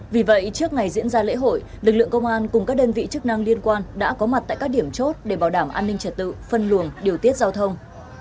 vì vậy trước ngày diễn ra lễ hội lực lượng công an cùng các đơn vị chức năng liên quan đã có mặt tại các điểm chốt để bảo đảm an ninh trật tự phân luồng điều tiết giao thông